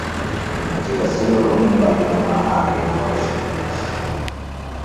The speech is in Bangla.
যেটা ছিল রঙিন বালুকণা আর রেইনফরেস্টের দেশ।